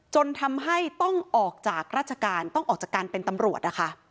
จนทำให้ต้องออกจากราชการต้องออกจากการเป็นตำรวจนะคะ